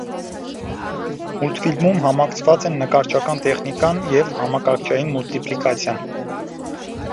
Մուլտֆիլմում համակցված են նկարչական տեխնիկան և համակարգչային մուլտիպլիկացիան։